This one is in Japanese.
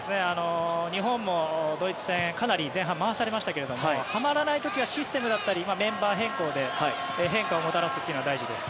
日本もドイツ戦かなり前半、回されましたけどはまらない時はシステムだったりメンバー変更で変化をもたらすのが大事です。